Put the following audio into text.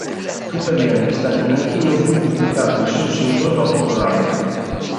Tuttavia, negli Stati Uniti non fu pubblicato nessun singolo dopo "Ride".